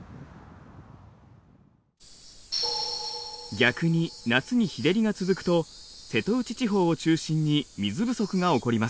逆に夏に日照りが続くと瀬戸内地方を中心に水不足が起こります。